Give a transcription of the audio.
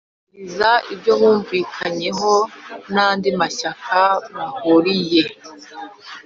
yubahiriza ibyo yumvikanyeho n'andi mashyaka bahuriye